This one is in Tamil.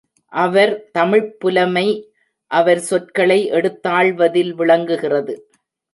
அவர் தமிழ்ப் புலமை அவர் சொற்களை எடுத்தாள்வதில் விளங்குகிறது.